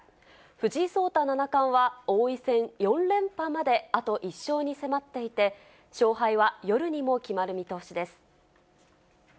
藤井聡太七冠は王位戦４連覇まであと１勝に迫っていて、勝敗は夜にも決まる見通しです。